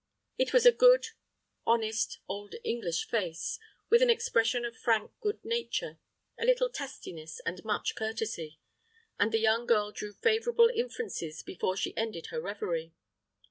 It was a good, honest old English face, with an expression of frank good nature, a little testiness, and much courtesy; and the young girl drew favorable inferences before she ended her reverie.